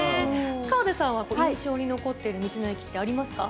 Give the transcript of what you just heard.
河出さんは印象に残ってる道の駅ってありますか？